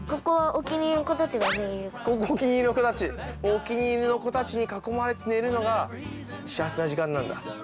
お気に入りの子たちに囲まれて寝るのが、幸せな時間なんだ。